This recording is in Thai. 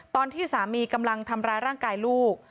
ตอนที่สามีกำลังทำร้ายร่างกายลูก